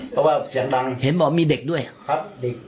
เพราะว่าเสียงดังเห็นบอกมีเด็กด้วยครับเด็ก